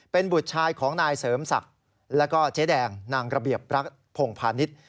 เป็นบุตรชายของนายเสริมศักดิ์แล้วก็เจ๊แดงนางระเบียบรักพงพาณิชย์